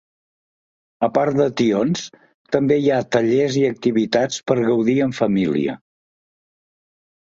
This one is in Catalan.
A part de tions, també hi ha tallers i activitats per gaudir en família.